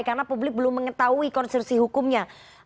karena publik belum mengetahui kontruksi hukumnya